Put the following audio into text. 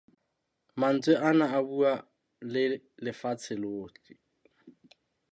Mantswe ana a bua le lefatshe lohle.